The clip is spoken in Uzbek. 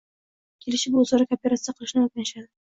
kelishib o‘zaro kooperatsiya qilishni o‘rganishadi.